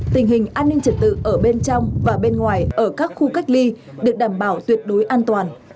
tình hình an ninh trật tự ở bên trong và bên ngoài ở các khu cách ly được đảm bảo tuyệt đối an toàn